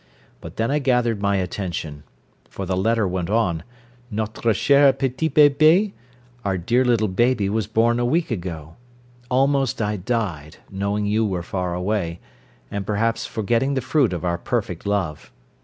But then I gathered my attention. For the letter went on, "Notre cher petit bébé our dear little baby was born a week ago. Almost I died, knowing you were far away, and perhaps forgetting the fruit of our perfect love.